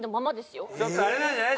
ちょっとあれなんじゃない？